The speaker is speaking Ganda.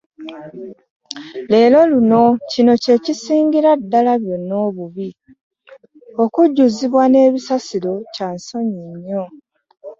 Leero luno, kino kye kisingira ddala byonna obubi, okujjuzibwa n'ebisasiro kya nsonyi nnyo.